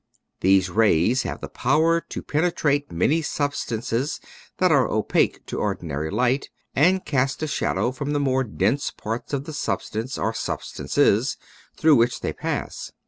These rays have the power to penetrate many substances that are opaque to ordinary light and cast a shadow from the more dense parts of the substance or substances through which they pass.